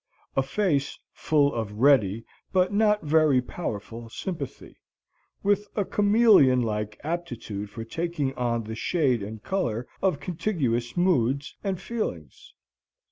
A face full of ready, but not very powerful sympathy, with a chameleon like aptitude for taking on the shade and color of contiguous moods and feelings.